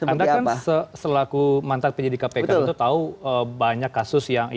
anda kan selaku mantan penyidik kpk itu tahu banyak kasus yang